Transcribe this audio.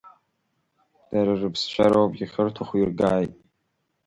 Дара рыԥсцәа роуп, иахьырҭаху иргааит…